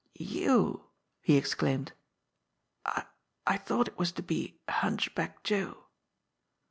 "You !" he exclaimed. "I I thought it was to be Hunchback Joe."